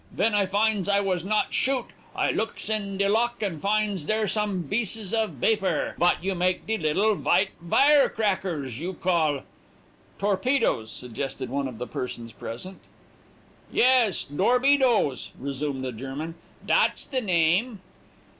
Ven I finds I vas not shoot, I looks in de lock and finds dere some bieces baper, vat you make de little vite vire crackers you call' "'Torpedoes,' suggested one of the persons present. "'Yes, dorpedoes,' resumed the German, 'dat's the name.'